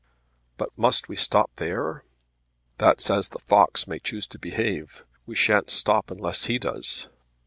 "But must we stop there?" "That's as the fox may choose to behave. We shan't stop unless he does."